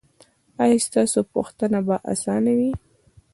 ایا ستاسو پوښتنه به اسانه وي؟